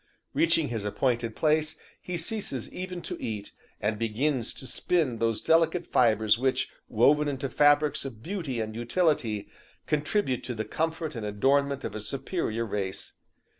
Reaching his appointed place, he ceases even to eat, and begins to spin those delicate fibres which, woven into fabrics of beauty and utility, contribute to the comfort and adornment of a superior race.